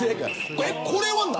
これは何。